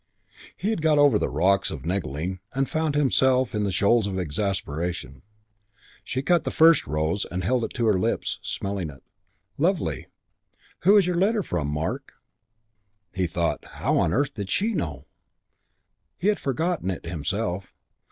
He had got over the rocks of "niggling"; he found himself in the shoals of exasperation. II She cut the first rose and held it to her lips, smelling it. "Lovely. Who was your letter from, Mark?" He thought, "How on earth did she know?" He had forgotten it himself.